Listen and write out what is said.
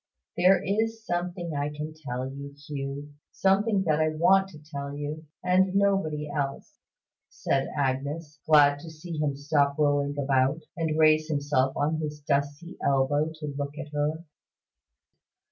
"There is something that I can tell you, Hugh; something that I want to tell you, and nobody else," said Agnes, glad to see him stop rolling about, and raise himself on his dusty elbow to look at her.